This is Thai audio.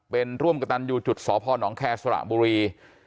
เป็นร่วมกระตันอยู่จุดสพนแคร์สระบุรี